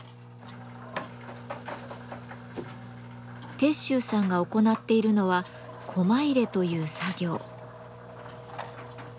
鉄舟さんが行っているのはコマ入れという作業。